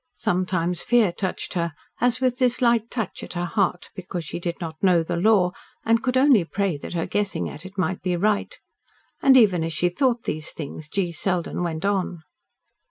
Sometimes fear touched her, as with this light touch an her heart, because she did not KNOW the Law and could only pray that her guessing at it might be right. And, even as she thought these things, G. Selden went on.